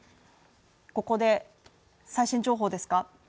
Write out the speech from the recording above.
ここで最新情報です。